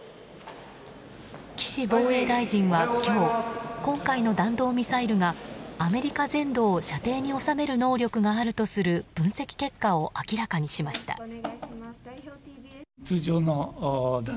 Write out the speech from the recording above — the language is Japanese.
岸防衛大臣は今日今回の弾道ミサイルがアメリカ全土を射程に収める能力があるとする分析結果を明らかにしました。